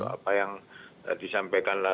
apa yang disampaikan